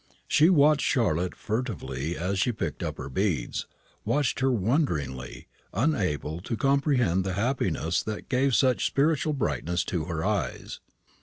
She watched Charlotte furtively as she picked up her beads watched her wonderingly, unable to comprehend the happiness that gave such spiritual brightness to her eyes.